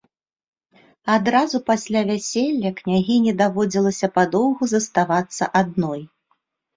Адразу пасля вяселля княгіні даводзілася падоўгу заставацца адной.